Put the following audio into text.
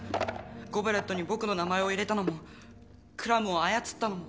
ゴブレットに僕の名前を入れたのもクラムを操ったのも？